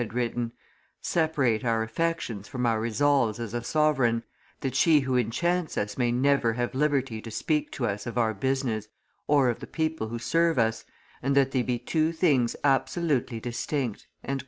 had written, "separate our affections from our resolves as a sovereign, that she who enchants us may never have liberty to speak to us of our business or of the people who serve us, and that they be two things absolutely distinct."